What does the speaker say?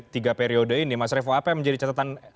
tiga periode ini mas revo apa yang menjadi catatan